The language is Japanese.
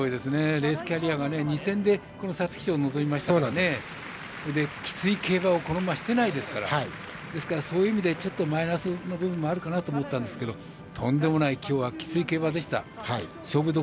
レースキャリアが２戦でこの皐月賞に臨みましたからきつい競馬をこの馬はしていないですからですから、そういう意味でちょっとマイナスな意味もあるかなと思いましたがとんでもない今日は、きつい競馬でした。